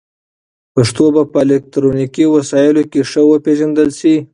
پښتو به په الکترونیکي وسایلو کې ښه وپېژندل شي.